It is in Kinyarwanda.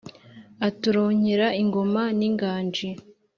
aturonkera ingoma n’inganji